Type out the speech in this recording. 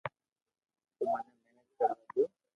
تو مني محنت ڪروا ديو